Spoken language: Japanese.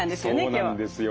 そうなんですよ